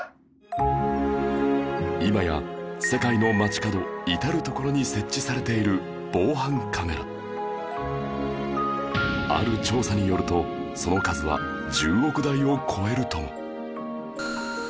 今や世界の街角至る所に設置されているある調査によるとその数は１０億台を超えるとも